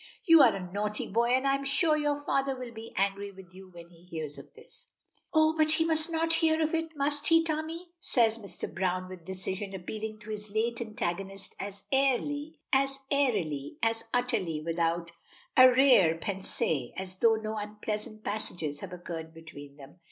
"You are a naughty boy, and I'm sure your father will be angry with you when he hears of this." "Oh, but he must not hear of it, must he, Tommy?" says Mr. Browne, with decision, appealing to his late antagonist as airily, as utterly without arrière pensée as though no unpleasant passages have occurred between them.